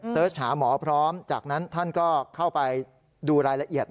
เสิร์ชหาหมอพร้อมจากนั้นท่านก็เข้าไปดูรายละเอียด